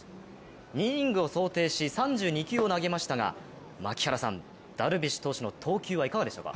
２イニングを想定し３２球を投げましたが槙原さん、ダルビッシュ投手の投球はいかがでしたか？